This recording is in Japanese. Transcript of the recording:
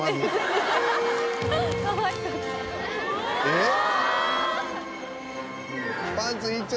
えっ？